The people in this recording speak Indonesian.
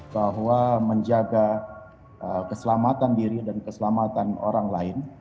bahwa menjaga keselamatan diri dan keselamatan orang lain